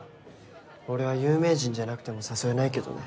俺は有名人じゃなくても誘えないけどね。